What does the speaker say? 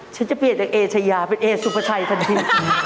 ฉันจะเปลี่ยนจากเอเชียเป็นเอสุพเตอร์ไชยทันที